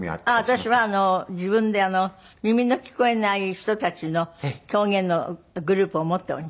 私は自分で耳の聞こえない人たちの狂言のグループを持っております。